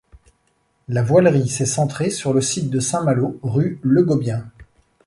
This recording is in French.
La voilerie s'est centrée sur le site de Saint Malo rue Legobien.